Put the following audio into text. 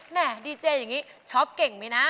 แหมดีเจอยังงี้ช็อปเก่งมั้ยนะ